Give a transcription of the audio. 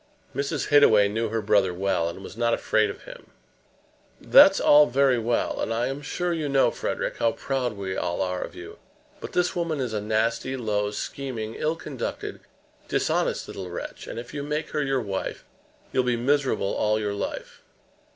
Mrs. Hittaway knew her brother well, and was not afraid of him. "That's all very well; and I am sure you know, Frederic, how proud we all are of you. But this woman is a nasty, low, scheming, ill conducted, dishonest little wretch; and if you make her your wife you'll be miserable all your life.